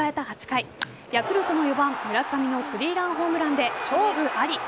８回ヤクルトの４番・村上の３ランホームランで勝負あり。